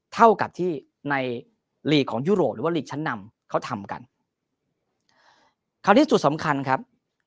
เท่ากับที่ในลีกของยุโรปหรือว่าลีกชั้นนำเขาทำกันคราวนี้จุดสำคัญครับ